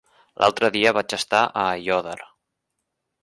L'altre dia vaig estar a Aiòder.